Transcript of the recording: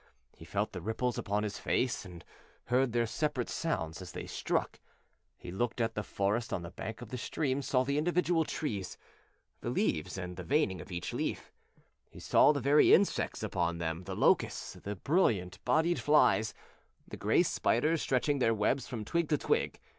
He felt the ripples upon his face and heard their separate sounds as they struck. He looked at the forest on the bank of the stream, saw the individual trees, the leaves and the veining of each leaf saw the very insects upon them: the locusts, the brilliant bodied flies, the gray spiders stretching their webs from twig to twig.